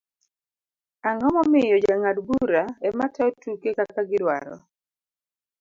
ang'o momiyo jong'ad - bura ema tayo tuke kaka gidwaro?